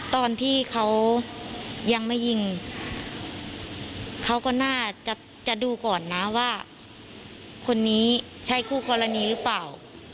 ตอนที่เขายังไม่ยิงเขาก็น่าจะดูก่อนนะว่าคนนี้ใช่คู่กรณีหรือเปล่า